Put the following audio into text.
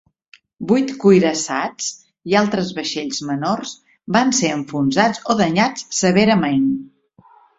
Vuit cuirassats i altres vaixells menors van ser enfonsats o danyats severament.